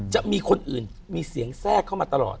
จะมีคนอื่นมีเสียงแทรกเข้ามาตลอด